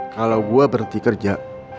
kalau gue berhenti kerja